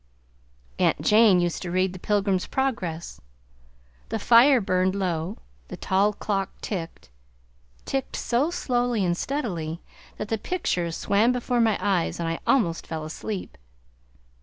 Aunt Jane used to read the "Pilgrim's Progress." The fire burned low; the tall clock ticked, ticked, so slowly and steadily, that the pictures swam before my eyes and I almost fell asleep.